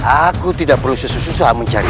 aku tidak perlu susah susah mencari